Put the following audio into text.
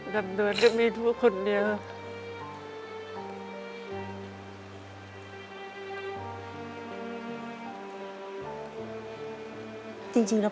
ดำเนื้อก็มีทุกคนเดียว